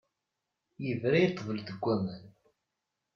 Ibra i ṭṭbel deg waman.